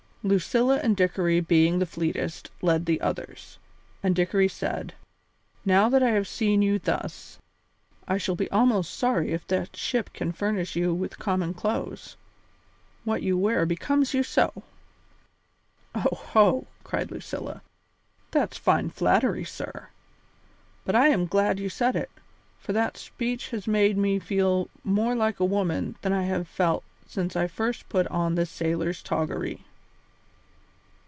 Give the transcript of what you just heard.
Lucilla and Dickory being the fleetest led the others, and Dickory said: "Now that I have seen you thus, I shall be almost sorry if that ship can furnish you with common clothes, what you wear becomes you so." "Oho!" cried Lucilla, "that's fine flattery, sir; but I am glad you said it, for that speech has made me feel more like a woman than I have felt since I first put on this sailor's toggery."